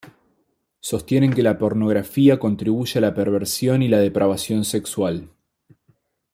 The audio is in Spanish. Sostienen que la pornografía contribuye a la perversión y la depravación sexual.